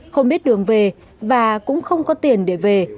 không biết đường về và cũng không có tiền để về